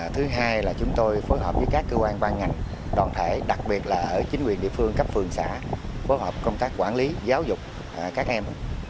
thứ hai là chúng tôi phối hợp với các cơ quan ban ngành đoàn thể đặc biệt là ở chính quyền địa phương cấp phường xã phối hợp công tác quản lý giáo dục các em